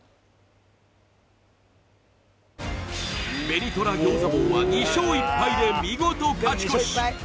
紅虎餃子房は２勝１敗で見事勝ち越し